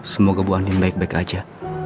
semoga bu anin baik baik saja